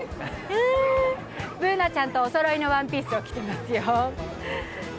Ｂｏｏｎａちゃんとおそろいのワンピースを着ていますよ。